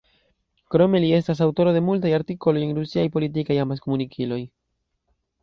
Krome, li estas aŭtoro de multaj artikoloj en rusiaj politikaj amaskomunikiloj.